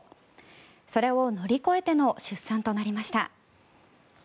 それを乗り越えての出産となりました。